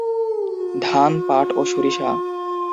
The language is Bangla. ধান, পাট, ও সরিষা।